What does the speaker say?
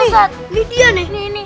ini dia nih